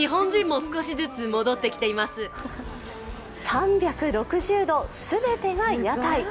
３６０度、全てが屋台。